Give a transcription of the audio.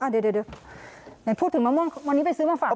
เดี๋ยวไหนพูดถึงมะม่วงวันนี้ไปซื้อมาฝาก